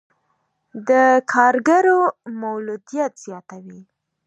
د کارګرو مولدیت زیاتوي.